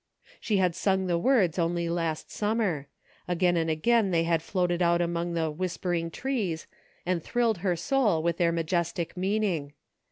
She had sung the words only last summer ; again and again had they floated out among the *' whispering trees " and thrilled her soul with their 140 PHOTOGRAPHS. majestic meaning.